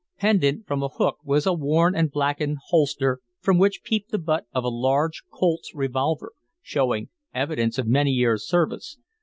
Pendent from a hook was a worn and blackened holster from which peeped the butt of a large Colt's revolver, showing evidence of many years' service.